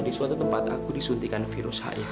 di suatu tempat aku disuntikan virus hiv